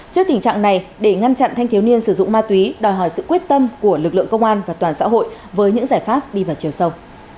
trước tình trạng này để ngăn chặn thanh thiếu niên sử dụng ma túy đòi hỏi sự quyết tâm của lực lượng công an và toàn xã hội với những giải pháp đi vào chiều sâu